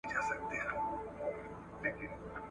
زه به دي پلو له مخي لیري کړم پخلا به سو !.